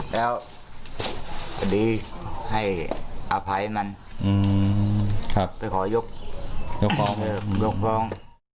แล้วดีให้อภัยมันไปขอยกฟร้อง